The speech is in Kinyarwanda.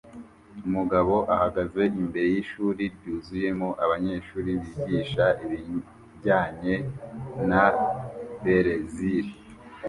Umugabo ahagaze imbere yishuri ryuzuyemo abanyeshuri bigisha ibijyanye na Berezile